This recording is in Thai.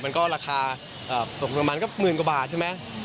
มันก็ราคาตกประมาณก็หมื่นกว่าบาทใช่ไหม